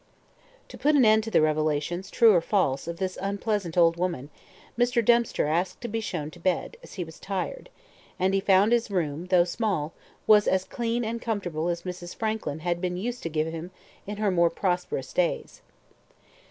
To put an end to the revelations, true or false, of this unpleasant old woman, Mr. Dempster asked to be shown to bed, as he was tired; and he found his room, though small, was as clean and comfortable as Mrs. Frankland had been used to give to him in her more prosperous days.